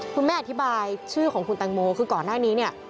คุณแม่อธิบายชื่อของคุณแตงโมคือก่อนหน้านี้เนี่ย